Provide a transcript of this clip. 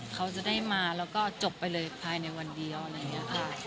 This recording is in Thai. เขาจะได้มาแล้วก็จบไปเลยภายในวันเดียวอะไรอย่างนี้ค่ะ